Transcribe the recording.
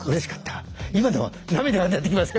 今でも涙が出てきますよ